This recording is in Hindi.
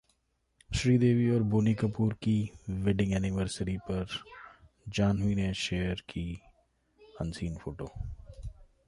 श्रीदेवी और बोनी कपूर की वेडिंग एनीवर्सरी पर जाह्नवी ने शेयर की अनसीन फोटो